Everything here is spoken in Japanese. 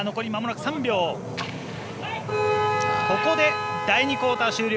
ここで第２クオーター、終了。